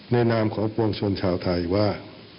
ในนามของปวงชนชาวไทยว่า